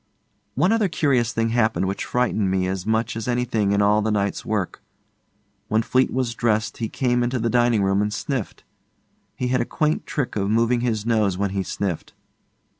One other curious thing happened which frightened me as much as anything in all the night's work. When Fleete was dressed he came into the dining room and sniffed. He had a quaint trick of moving his nose when he sniffed.